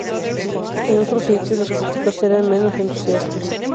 En otros sitios los críticos eran menos entusiastas.